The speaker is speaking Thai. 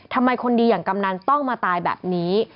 ทำไมคนดีอย่างกำนันต้องมาตายแบบนี้